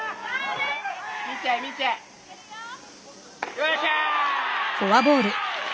・よっしゃ！